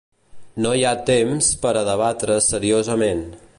No hi ha temps per a debatre seriosament.